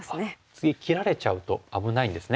次切られちゃうと危ないんですね。